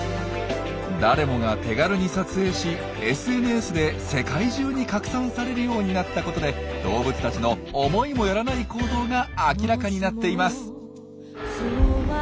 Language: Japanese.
誰もが手軽に撮影しＳＮＳで世界中に拡散されるようになったことで動物たちの思いもよらない行動が明らかになっています。